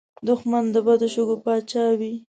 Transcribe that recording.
دښمن د بد شګو پاچا وي